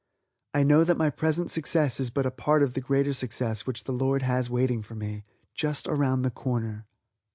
I know that my present success is but a part of the greater success which the Lord has waiting for me "just around the corner".